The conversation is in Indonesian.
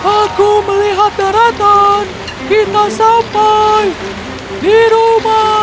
aku melihat daratan bintang sampai di rumah